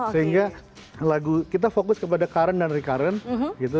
sehingga lagu kita fokus kepada current dan recurrent gitu